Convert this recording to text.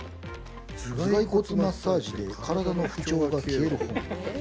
『頭蓋骨マッサージで体の不調が消える本』。